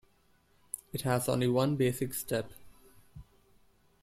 It has only one basic step.